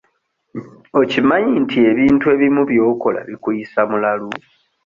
Okimanyi nti ebintu ebimu by'okola bikuyisa mulalu?